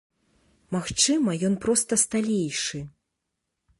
Магчыма, ён проста сталейшы.